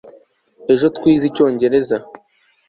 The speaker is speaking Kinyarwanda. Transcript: ejo, twize icyongereza